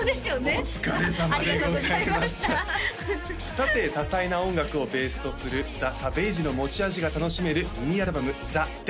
さて多彩な音楽をベースとするＴＨＥＳＡＶＡＧＥの持ち味が楽しめるミニアルバム「ＴｈｅＤａｙ」